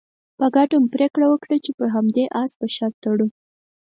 په ګډه مو پرېکړه وکړه چې پر همدې اس به شرط تړو.